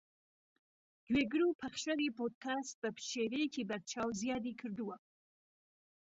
گوێگر و پەخشەری پۆدکاست بەشێوەیەکی بەرچاو زیادی کردووە